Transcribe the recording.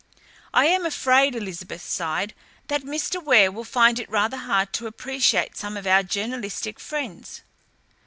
"I am afraid," Elizabeth sighed, "that Mr. Ware will find it rather hard to appreciate some of our journalistic friends."